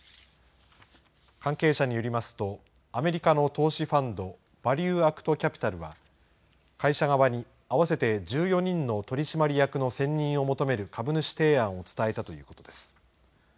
関係者によりますと、アメリカの投資ファンド、バリューアクト・キャピタルは、会社側に合わせて１４人の取締役の選任を求める株主提案を伝えたということです。